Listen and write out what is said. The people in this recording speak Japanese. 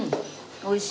おいしい。